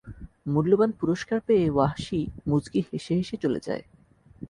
মূল্যবান পুরস্কার পেয়ে ওয়াহশী মুচকি হেসে হেসে চলে যায়।